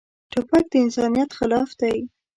توپک د انسانیت خلاف دی.